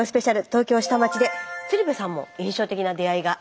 東京下町で鶴瓶さんも印象的な出会いがありました。